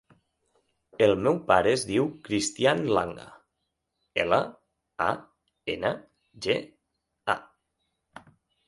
El meu pare es diu Cristián Langa: ela, a, ena, ge, a.